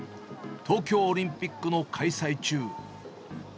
東京オリンピックの開催中。